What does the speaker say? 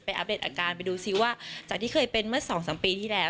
อัปเดตอาการไปดูซิว่าจากที่เคยเป็นเมื่อ๒๓ปีที่แล้ว